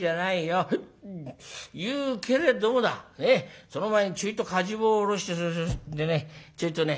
言うけれどもだその前にちょいとかじ棒を下ろしてでねちょいとね